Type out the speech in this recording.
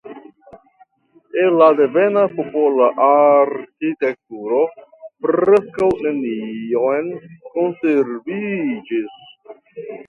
El la devena popola arkitekturo preskaŭ nenion konserviĝis.